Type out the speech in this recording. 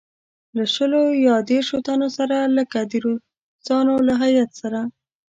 له شلو یا دېرشوتنو سره لکه د روسانو له هیات سره.